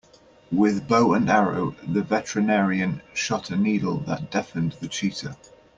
With bow and arrow the veterinarian shot a needle that deafened the cheetah.